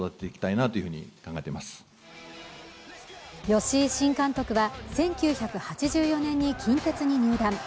吉井新監督は１９８４年に近鉄に入団。